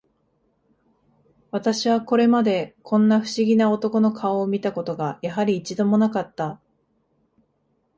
私はこれまで、こんな不思議な男の顔を見た事が、やはり、一度も無かった